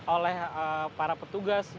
oleh para petugas